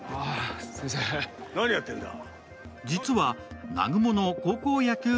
何やってんだ。